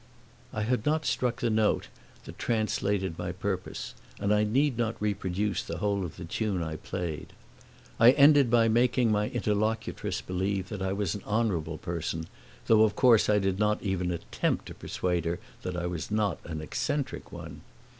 I had not struck the note that translated my purpose, and I need not reproduce the whole of the tune I played. I ended by making my interlocutress believe that I was an honorable person, though of course I did not even attempt to persuade her that I was not an eccentric one.